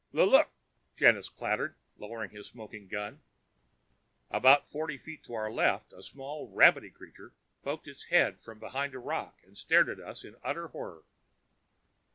"L look," Janus chattered, lowering his smoking gun. About forty feet to our left, a small rabbity creature poked its head from behind a rock and stared at us in utter horror.